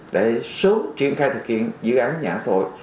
để sớm triển khai thực hiện dự án nhà ở xã hội